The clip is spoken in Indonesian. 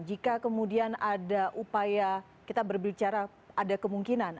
jika kemudian ada upaya kita berbicara ada kemungkinan